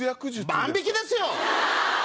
万引きですよ！